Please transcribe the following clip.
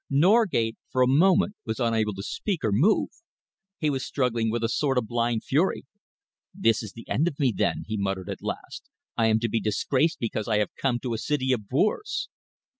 Norgate for a moment was unable to speak or move. He was struggling with a sort of blind fury. "This is the end of me, then," he muttered at last. "I am to be disgraced because I have come to a city of boors."